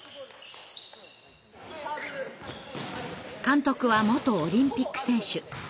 監督は元オリンピック選手。